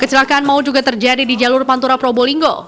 kecelakaan mau juga terjadi di jalur pantura probolinggo